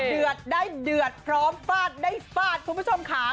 เดือดได้เดือดพร้อมฟาดได้ฟาดคุณผู้ชมค่ะ